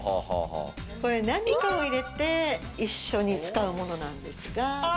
何かを入れて一緒に使うものなんですが。